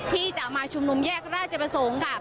ที่จะมาชุมนุมแยกราชบสงค์